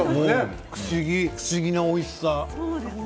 不思議なおいしさ。